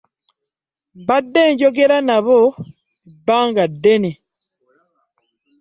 Mbadde njogera nabo ebbanga ddene.